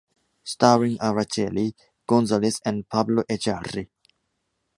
Starring Araceli González and Pablo Echarri.